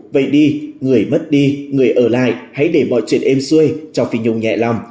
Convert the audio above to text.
vậy đi người mất đi người ở lại hãy để bỏ chuyện êm xuôi cho phi nhung nhẹ lòng